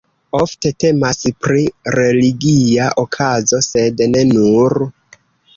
Ofte temas pri religia okazo, sed ne nur.